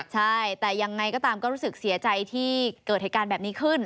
ใช่แต่ยังไงก็ตามก็รู้สึกเสียใจที่เกิดเหตุการณ์แบบนี้ขึ้น